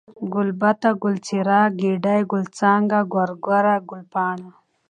گوربته ، گل څېره ، گېډۍ ، گل څانگه ، گورگره ، گلپاڼه